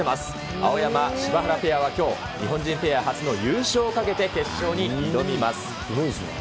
青山・柴原ペアはきょう、日本人ペア初の優勝をかけて決勝に挑みます。